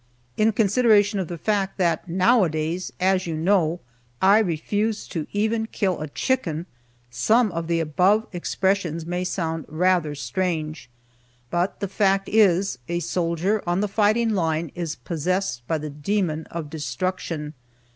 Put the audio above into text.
In consideration of the fact that now a days, as you know, I refuse to even kill a chicken, some of the above expressions may sound rather strange. But the fact is, a soldier on the fighting line is possessed by the demon of destruction.